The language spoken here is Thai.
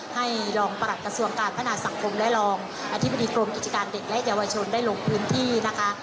ให้รองประหลัดกระทรวงการพัฒนาสังคมและรองอธิบดีกรมกิจการเด็กและเยาวชนได้ลงพื้นที่นะคะ